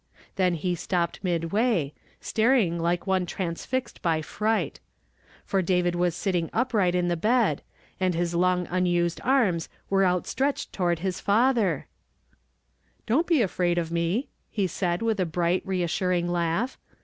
Tlicu he stopped inidway, starin<r like one traiM lixed by fri<rht; lor l)avi<l was sitting uio'glit in the bed, and Ids long unused anus were out stretehed toward his father I '• Don't be afraid of me," he said, with a bright, reassuring hmgh.